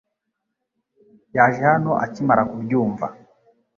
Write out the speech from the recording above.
Yaje hano akimara kubyumva .